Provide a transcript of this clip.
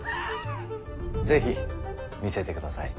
是非見せてください。